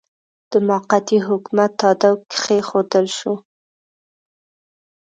د موقتي حکومت تاداو کښېښودل شو.